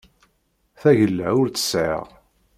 Tagella ur tt-sɛiɣ.